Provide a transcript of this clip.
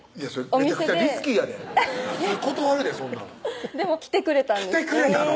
めちゃくちゃリスキーやで普通断るでそんなんでも来てくれたんです来てくれたの？